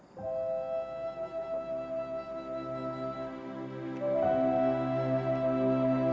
pesek air papi